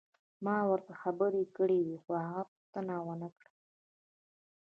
ما ورته خبرې کړې وې خو هغه پوښتنه ونه کړه.